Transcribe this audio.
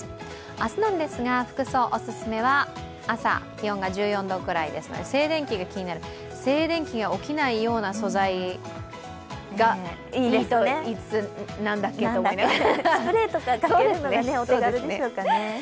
明日なんですが、服装、おすすめは朝、気温が１４度くらいですので静電気が気になる、静電気が起きないような素材、スプレーかけるのがお手軽でしょうかね。